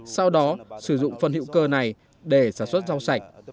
sau đó sử dụng phân hữu cơ này để sản xuất rau sạch